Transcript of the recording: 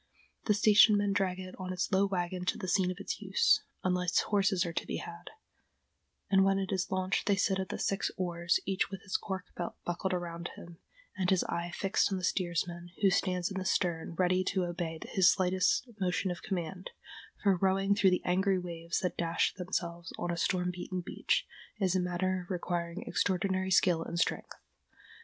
The station men drag it on its low wagon to the scene of its use, unless horses are to be had, and when it is launched they sit at the six oars, each with his cork belt buckled around him, and his eye fixed on the steersman, who stands in the stern, ready to obey his slightest motion of command, for rowing through the angry waves that dash themselves on a storm beaten beach is a matter requiring extraordinary skill and strength.